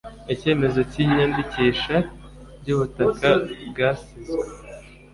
Icyemezo cy iyandikisha ry ubutaka bwasizwe